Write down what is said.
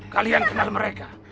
kalian kenal mereka